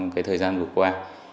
về thời gian vừa qua